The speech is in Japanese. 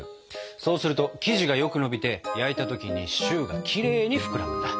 そうすると生地がよく伸びて焼いた時にシューがきれいに膨らむんだ。